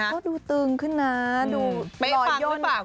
ก็ดูตึงขึ้นนะดูหลอยยนต์นับผาก